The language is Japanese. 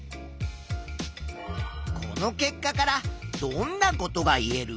この結果からどんなことが言える？